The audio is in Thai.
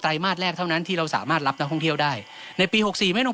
มาสแรกเท่านั้นที่เราสามารถรับนักท่องเที่ยวได้ในปีหกสี่ไม่ลง